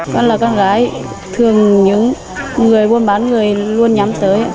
con là con gái thường những người buôn bán người luôn nhắm tới